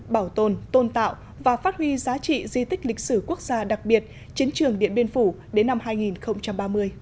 bảo tồn tôn tạo và phát huy giá trị di tích lịch sử quốc gia đặc biệt chiến trường điện biên phủ đến năm hai nghìn ba mươi